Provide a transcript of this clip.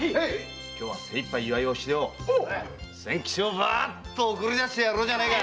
今日は精一杯祝いをしてよ千吉をワーッと送り出してやろうじゃないか！